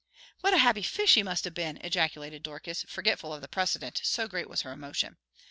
"What a happy fish he must have been!" ejaculated Dorcas, forgetful of precedent, so great was her emotion.